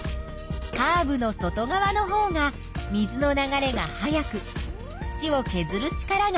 カーブの外側のほうが水の流れが速く土をけずる力が大きい。